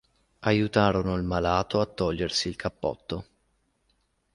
Aiutarono il malato a togliersi il cappotto.